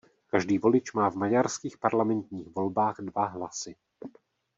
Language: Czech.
Každý volič má v maďarských parlamentních volbách dva hlasy.